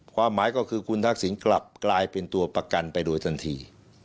ความหมายก็คือคุณทักษิณกลับกลายเป็นตัวประกันไปโดยทันที